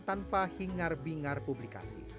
tanpa hingar bingar publikasi